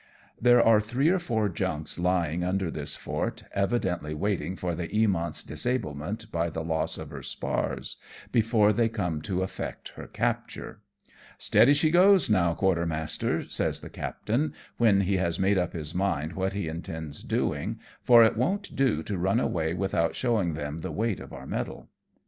There are three or four junks lying under this fort, evidently waiting for the Eamont's disablement by the loss of her spars, before they come to effect her capture. A TTA CKED B Y PIRA TES. 2 9 '' Steady she goes now, quartermaster," says the captain, when he has made up his mind what he intends doing, for it won't do to run away without showing them the weight of our metal.